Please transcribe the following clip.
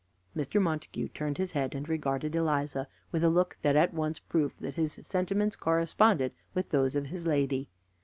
Mr. Montague turned his head, and regarded Eliza with a look that at once proved that his sentiments corresponded with those of his lady.